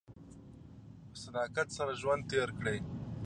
په صداقت سره ژوند تېر کړئ.